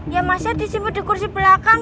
ya mas ya disimpen di kursi belakang